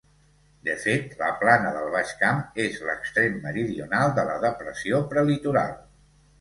De fet, la plana del Baix Camp és l'extrem meridional de la Depressió Prelitoral.